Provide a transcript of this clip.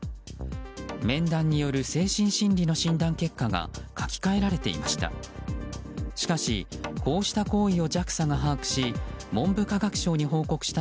面談による精神心理の診断結果が書き換えられていました。